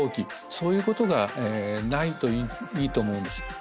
そういうことがないといいと思うんです。